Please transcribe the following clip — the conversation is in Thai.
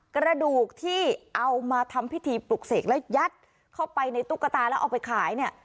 กระดูกที่เอามาทำพิธีปลุกเสกแล้วยัดเข้าไปในตุ๊กตาแล้วเอาไปขายเนี่ย